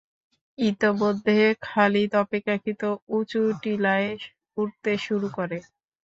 ইতোমধ্যে খালিদ অপেক্ষাকৃত উঁচু টিলায় উঠতে শুরু করে।